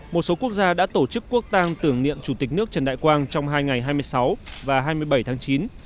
một số quốc gia đã tổ chức quốc tàng tưởng niệm chủ tịch nước trần đại quang trong hai ngày hai mươi sáu và hai mươi bảy tháng chín